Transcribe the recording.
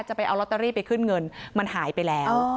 ไปเอาลอตเตอรี่ไปขึ้นเงินมันหายไปแล้ว